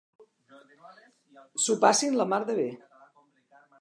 S'ho passin la mar de bé.